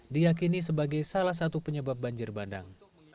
diakini sebagai salah satu penyebab banjir bandang